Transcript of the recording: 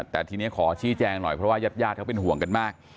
แต่ทีนี้ขอชี้แจงหน่อยเพราะว่ายาดเขาเป็นห่วงกันมาก